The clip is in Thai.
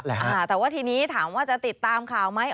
แต่ว่าทีนี้ถามว่าจะติดตามข่าวไหม